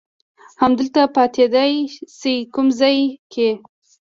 همدلته پاتېدای شې، کوم ځای کې؟